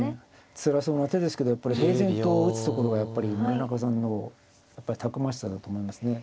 つらそうな手ですけどやっぱり平然と打つところがやっぱり村中さんのやっぱりたくましさだと思いますね。